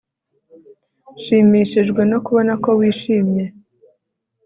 Nshimishijwe no kubona ko wishimye